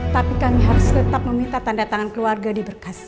tapi kami harus tetap meminta tanda tangan keluarga diberkas